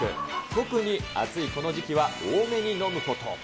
特に暑いこの時期は多めに飲むこと。